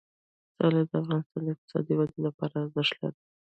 پسرلی د افغانستان د اقتصادي ودې لپاره ارزښت لري.